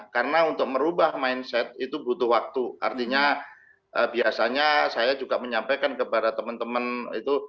karena untuk merubah mindset itu butuh waktu artinya biasanya saya juga menyampaikan kepada teman teman itu